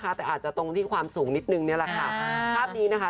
อาจจะตรงที่ความสูงนิดหนึ่งนี่แหละค่ะ